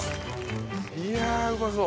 いやあうまそう。